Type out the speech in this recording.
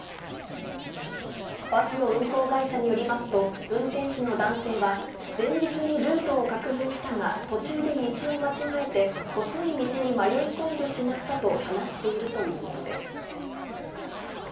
バスの運行会社によりますと、運転手の男性は、前日にルートを確認したが、途中で道を間違えて、細い道に迷い込んでしまったと話しているということです。